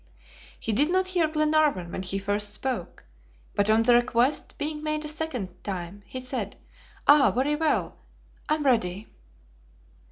He did not hear Glenarvan when he first spoke, but on the request being made a second time, he said: "Ah, very well. I'm ready."